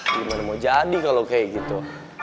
gimana mau jadi kalau kayak gitu